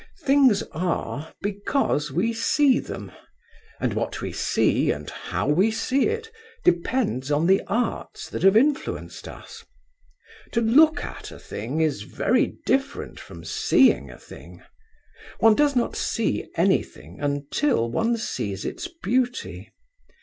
Things are because we see them, and what we see, and how we see it, depends on the Arts that have influenced us. To look at a thing is very different from seeing a thing. One does not see anything until one sees its beauty.